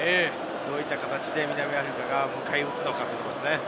どういった形で南アフリカが迎え撃つのかですね。